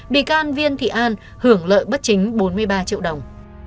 bị can viên thị an hưởng lợi bất chính bốn mươi ba triệu đồng